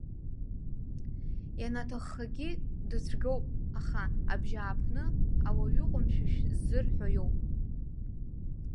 Ианаҭаххагьы, дыцәгьоуп, аха абжьааԥны, ауаҩы ҟәымшәышә ззырҳәо иоуп.